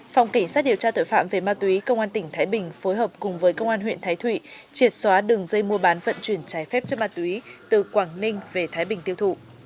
phòng cảnh sát điều tra tội phạm về ma túy công an tỉnh thái bình phối hợp cùng với công an huyện thái thụy triệt xóa đường dây mua bán vận chuyển trái phép chất ma túy từ quảng ninh về thái bình tiêu thụ